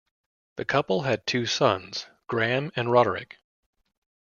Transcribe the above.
The couple had two sons, Graham and Roderick.